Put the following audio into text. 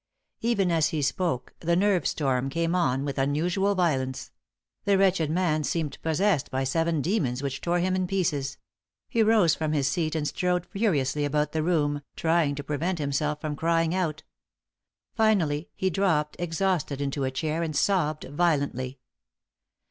Even as he spoke, the nerve storm came on with unusual violence; the wretched man seemed possessed by seven demons which tore him in pieces; he rose from his seat and strode furiously about the room, trying to prevent himself from crying out. Finally, he dropped exhausted into a chair and sobbed violently.